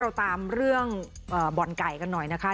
เราตามเรื่องบ่อนไก่กันหน่อยนะคะ